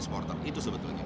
supporter itu sebetulnya